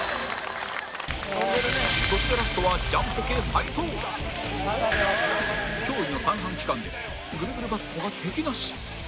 そしてラストは驚異の三半規管でぐるぐるバットは敵なし！